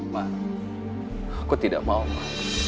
ma aku tidak mau mah